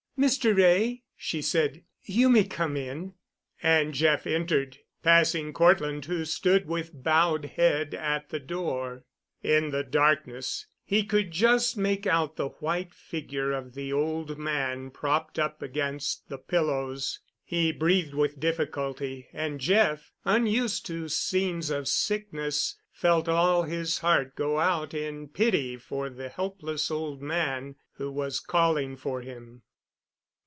"Mr. Wray," she said, "you may come in." And Jeff entered, passing Cortland, who stood with bowed head at the door. In the darkness he could just make out the white figure of the old man propped up against the pillows. He breathed with difficulty, and Jeff, unused to scenes of sickness, felt all his heart go out in pity for the helpless old man who was calling for him.